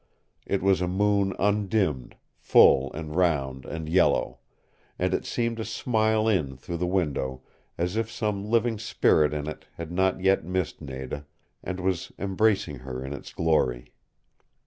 It was a moon undimmed, full and round and yellow; and it seemed to smile in through the window as if some living spirit in it had not yet missed Nada, and was embracing her in its glory.